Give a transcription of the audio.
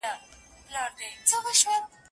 یو درزن چي دي زامن دي زېږولي